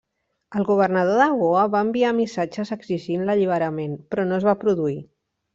El governador de Goa va enviar missatges exigint l'alliberament però no es va produir.